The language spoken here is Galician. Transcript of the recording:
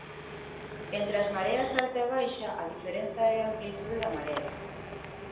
Entre as mareas alta e baixa a diferenza é a amplitude da marea